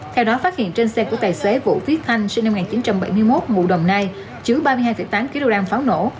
theo đó phát hiện trên xe của tài xế vũ viết thanh sinh năm một nghìn chín trăm bảy mươi một ngụ đồng nai chứa ba mươi hai tám kg pháo nổ